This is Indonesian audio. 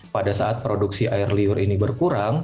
pada saat produksi air liur ini berkurang